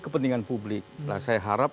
kepentingan publik saya harap